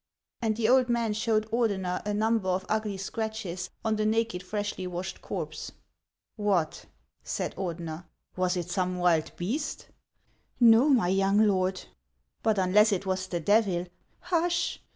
And the old man showed Ordener a number of ugly scratches on the naked, freshly washed corpse. " What !" said Ordener, " was it some wild beast ?"" No, my young lord." " But unless it was the Devil —"" Hush